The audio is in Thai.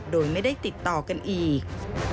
โดยไม่ได้ติดต่อกันอีก